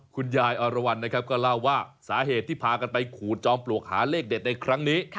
คุณยายอรวรรณนะครับก็เล่าว่าสาเหตุที่พากันไปขูดจอมปลวกหาเลขเด็ดในครั้งนี้